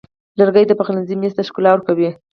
لرګی د پخلنځي میز ته ښکلا ورکوي.